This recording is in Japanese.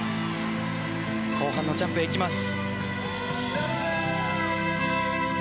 後半のジャンプへ行きます。